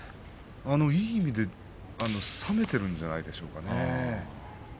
いい意味で冷めているんじゃないですかね。